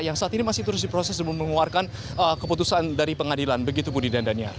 yang saat ini masih terus di proses untuk mengeluarkan keputusan dari pengadilan begitu budi dan daniel